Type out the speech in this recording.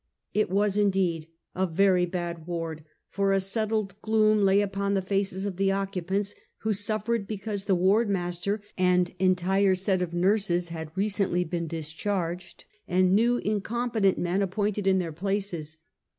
It was indeed a very bad ward, for a settled gloom lay upon the faces of the occupants, who suffered be cause the ward master and entire set of nurses had re cently been discharged, and new, incompetent men appointed in their places.